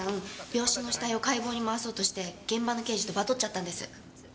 病死の死体を解剖に回そうとして現場の刑事とバトっちゃったんです。